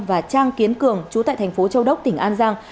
và trang kiến cường chú tại thành phố châu đốc tỉnh an giang